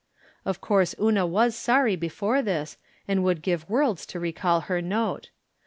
Of course Una was sorry before this, and would give worlds to recall her note.